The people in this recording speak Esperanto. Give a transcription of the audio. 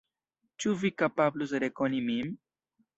Ĉu Vi kapablus rekoni min?